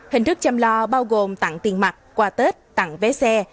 hình thức chăm lo bao gồm tặng tiền mặt quà tết tặng vé xe